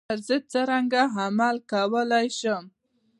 پر ضد څرنګه عمل کولای شم.